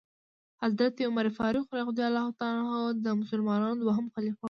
حضرت عمرفاروق رضی الله تعالی عنه د مسلمانانو دوهم خليفه وو .